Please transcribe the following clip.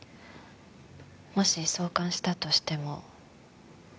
もし挿管したとしても。